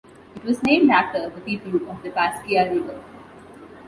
It was named after the people of the Pasquia River.